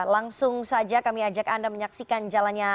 langsung saja kami ajak anda menyaksikan jalannya